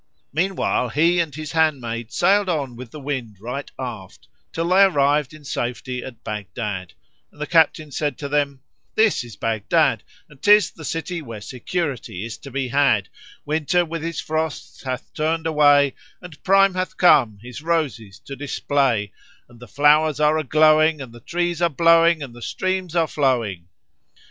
Meanwhile he and his handmaid sailed on with the wind right aft, till they arrived in safety at Baghdad, and the captain said to them, "This is Baghdad and 'tis the city where security is to be had: Winter with his frosts hath turned away and Prime hath come his roses to display; and the flowers are a glowing and the trees are blowing and the streams are flowing."